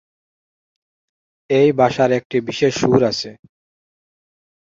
এই ভাষার একটি বিশেষ সুর আছে।